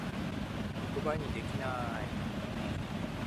ことばにできなぁい